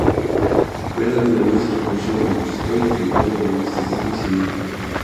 Veland además, es un reconocido compositor y fundador de las bandas Tristania y Sirenia.